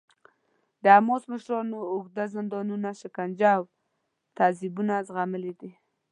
د حماس مشرانو اوږده زندانونه، شکنجه او تعذیبونه زغملي دي.